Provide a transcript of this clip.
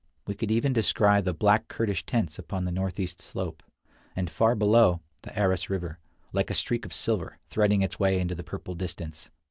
We could even descry the black Kurdish tents upon the northeast slope, and, far below, the Aras River, like a streak of silver, threading its way into the purple distance.